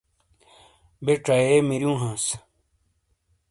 بے چہ یے میرو ہانس